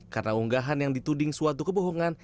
karena unggahan yang dituding suatu kebohongan